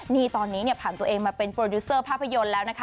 นี่ตอนนี้ผ่านตัวเองมาเป็นโปรดิวเซอร์ภาพยนตร์แล้วนะคะ